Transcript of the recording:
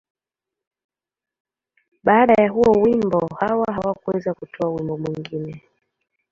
Baada ya huo wimbo, Hawa hakuweza kutoa wimbo mwingine.